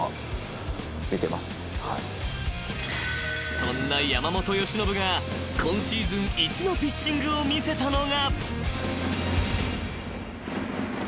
［そんな山本由伸が今シーズン一のピッチングを見せたのが］